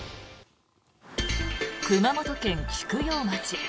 熊本県菊陽町。